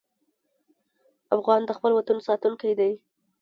افغان د خپل وطن ساتونکی دی.